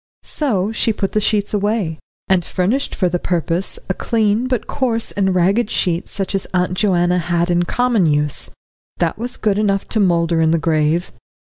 So she put the sheets away, and furnished for the purpose a clean but coarse and ragged sheet such as Aunt Joanna had in common use. That was good enough to moulder in the grave.